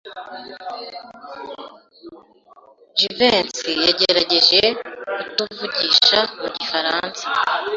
Jivency yagerageje kutuvugisha mu gifaransa.